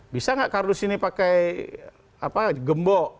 bisa nggak kardus ini pakai gembok